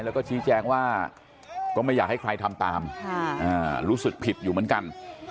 แล้วก็ชี้แจงว่าก็ไม่อยากให้ใครทำตามรู้สึกผิดอยู่เหมือนกัน